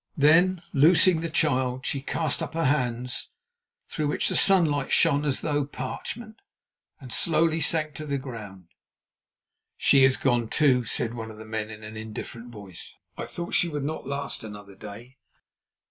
Then, loosing the child, she cast up her hands, through which the sunlight shone as through parchment, and slowly sank to the ground. "She has gone, too," said one of the men in an indifferent voice. "I thought she would not last another day."